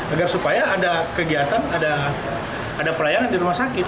agar supaya ada kegiatan ada pelayanan di rumah sakit